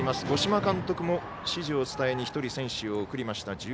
五島監督も指示を伝えに選手を１人、送りました。